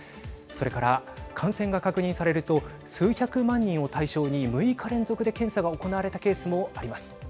それから、感染が確認されると数百万人を対象に６日連続で検査が行われたケースもあリます。